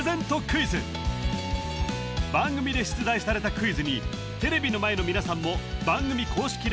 クイズ番組で出題されたクイズにテレビの前の皆さんも番組公式